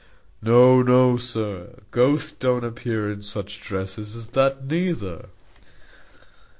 No, no, sir, ghosts don't appear in such dresses as that, neither."